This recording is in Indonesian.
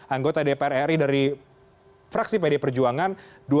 anggota dpr ri dari fraksi pdi perjuangan dua ribu empat dua ribu sembilan